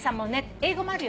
英語もあるよね。